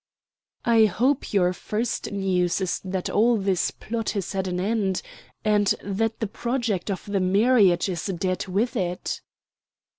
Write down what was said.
"I hope your first news is that all this plot is at an end, and that the project of the marriage is dead with it?"